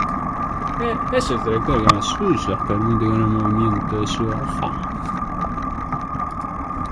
Es el tractor que más usos permite con el movimiento de su hoja.